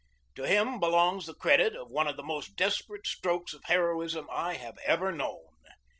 To him belongs the credit of one of the most desperate strokes of heroism I have ever known.